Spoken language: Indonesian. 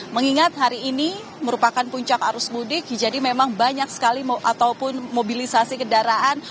mengingat hari ini merupakan puncak arus mudik jadi memang banyak sekali ataupun mobilisasi kendaraan